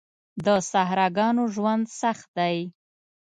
د صحراګانو ژوند سخت دی.